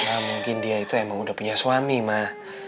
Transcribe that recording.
ya mungkin dia itu emang udah punya suami mah